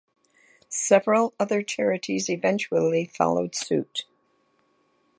Several other charities eventually followed suit.